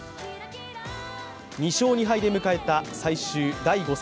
２勝２敗で迎えた最終第５戦。